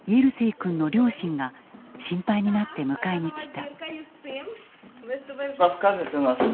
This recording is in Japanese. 君の両親が心配になって迎えに来た。